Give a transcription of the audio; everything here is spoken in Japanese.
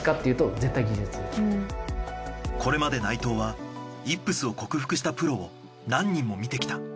これまで内藤はイップスを克服したプロを何人も見てきた。